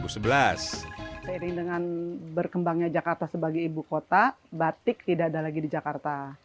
seiring dengan berkembangnya jakarta sebagai ibu kota batik tidak ada lagi di jakarta